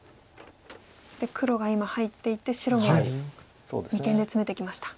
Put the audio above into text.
そして黒が今入っていって白も二間でツメてきました。